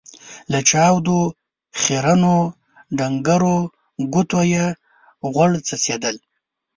له چاودو، خيرنو ، ډنګرو ګوتو يې غوړ څڅېدل.